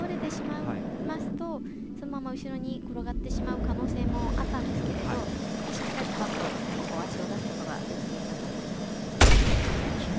少し上体が後ろに倒れてしまいますとそのまま後ろに転がってしまう可能性もあったんですけれどしっかり１歩足を出すことができていたと思います。